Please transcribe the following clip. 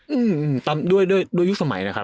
อืมตามด้วยยุคสมัยนะครับ